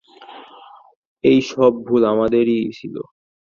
এই সব ভুল আমাদেরই ছিল।